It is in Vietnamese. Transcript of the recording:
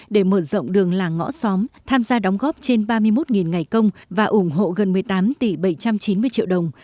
để mở rộng đường làng ngõ xóm tham gia đóng góp trên ba mươi một ngày công và ủng hộ gần một mươi tám tỷ bảy trăm chín mươi triệu đồng